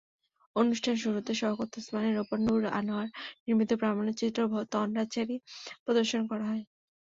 অনুষ্ঠানের শুরুতেই শওকত ওসমানের ওপর নূর আনোয়ার নির্মিত প্রামাণ্যচিত্র তন্দ্রাচারী প্রদর্শন করা হয়।